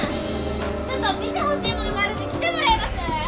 ちょっと見てほしいものがあるんで来てもらえます？